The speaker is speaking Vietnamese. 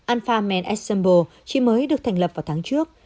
alpha man assemble chỉ mới được thành lập vào tháng trước